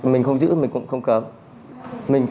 mình không giữ mình cũng không cớm